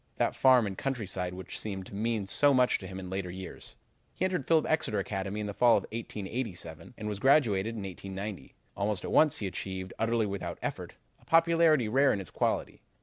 that farm and countryside which seemed to mean so much to him in later years. He entered Phillips Exeter Academy in the fall of 1887, and was graduated in 1890. Almost at once he achieved, utterly without effort, a popularity rare in its quality.